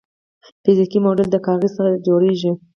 فزیکي موډل د کاغذ څخه جوړیږي.